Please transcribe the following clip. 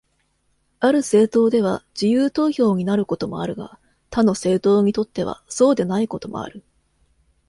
ある政党では自由投票になることもあるが、他の政党にとってはそうでないこともある。